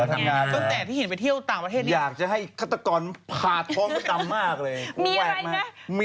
ส่งพี่มดดำไปรัสเซียหน่อยสิ